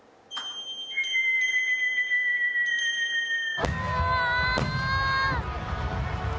ああ。